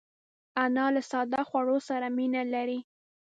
انا له ساده خوړو سره مینه لري